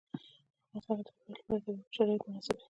په افغانستان کې د وګړي لپاره طبیعي شرایط مناسب دي.